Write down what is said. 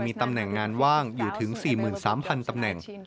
มีตำแหน่งงานว่างอยู่ถึง๔๓๐๐ตำแหน่ง